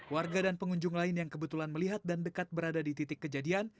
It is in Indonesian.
warga dan pengunjung lain yang kebetulan melihat dan dekat berada di titik kejadian